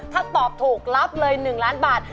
ถ้าตอบถูกรับเลย๑ล้านบาท